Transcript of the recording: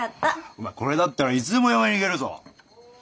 お前これだったらいつでも嫁に行けるぞ。